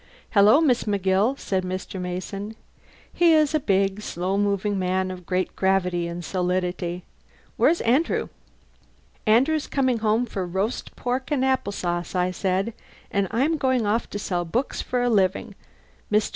"Hello, Miss McGill," said Mr. Mason. He is a big, slow moving man of great gravity and solidity. "Where's Andrew?" "Andrew's coming home for roast pork and apple sauce," I said, "and I'm going off to sell books for a living. Mr.